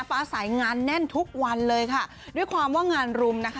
ฟ้าสายงานแน่นทุกวันเลยค่ะด้วยความว่างานรุมนะคะ